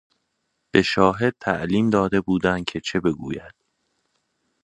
به شاهد تعلیم داده بودند که چه بگوید.